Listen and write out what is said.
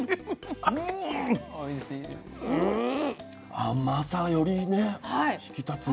甘さよりね引き立つな。